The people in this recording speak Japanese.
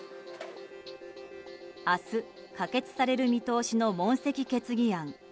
明日、可決される見通しの問責決議案。